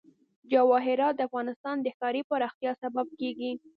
جواهرات د افغانستان د ښاري پراختیا سبب کېږي.